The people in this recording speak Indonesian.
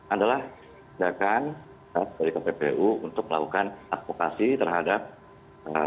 adalah sedangkan dari kppu untuk melakukan advokasi terhadap pemerintah